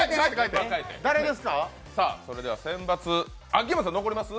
それでは選抜秋山さん残ります？